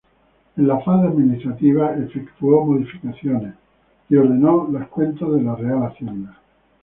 En la faz administrativa, efectuó modificaciones y ordenó las cuentas de la Real Hacienda.